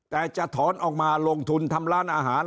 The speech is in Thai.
แต่จะถอนออกมาลงทุนทำร้านอาหาร